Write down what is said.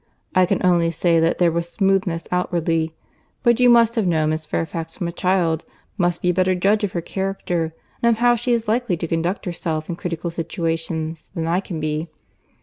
I can only say that there was smoothness outwardly. But you, who have known Miss Fairfax from a child, must be a better judge of her character, and of how she is likely to conduct herself in critical situations, than I can be."